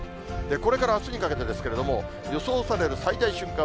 これからあすにかけてですけれども、予想される最大瞬間